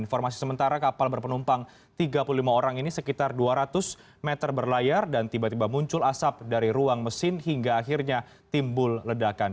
informasi sementara kapal berpenumpang tiga puluh lima orang ini sekitar dua ratus meter berlayar dan tiba tiba muncul asap dari ruang mesin hingga akhirnya timbul ledakan